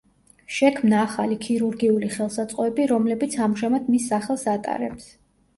შექმნა ახალი ქირურგიული ხელსაწყოები, რომლებიც ამჟამად მის სახელს ატარებს.